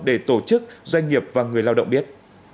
để tổ chức doanh nghiệp và người lao động biết